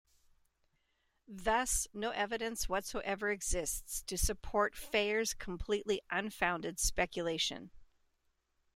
Thus no evidence whatsoever exists to support Phayer's completely unfounded speculation.